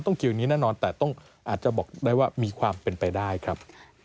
คิวอย่างนี้แน่นอนแต่ต้องอาจจะบอกได้ว่ามีความเป็นไปได้ครับ